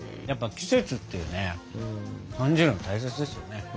やっぱ季節ってね感じるの大切ですよね。